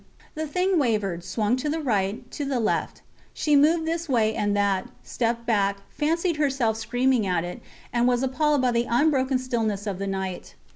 The thing wavered, swung to the right, to the left. She moved this way and that, stepped back, fancied herself screaming at it, and was appalled by the unbroken stillness of the night.